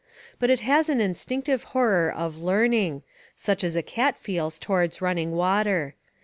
But it has an instinctive horror of "learning," such as a cat feels towards running water.